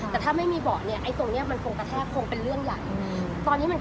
ฉะนั้นเนี่ยก็ต้องทำ